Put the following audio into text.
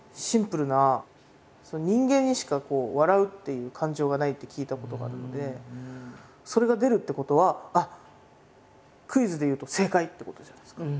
人間にしか「笑う」っていう感情がないって聞いたことがあるのでそれが出るってことはクイズで言うと正解ってことじゃないですか。